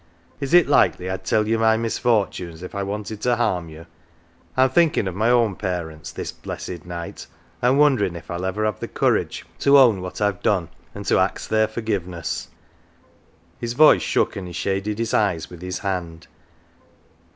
" Is it likely I'd tell you my misfortunes if I wanted to harm you ? I'm thinkin' of my own parents this blessed night, an' wonderin' if I'll ever have the courage to own what I've done, and to ax their forgiveness." His voice shook, and he shaded his eyes with his hand.